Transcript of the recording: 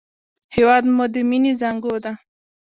هېواد مو د مینې زانګو ده